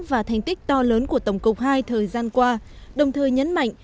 và thành tích to lớn của tổng cục ii thời gian qua đồng thời nhấn mạnh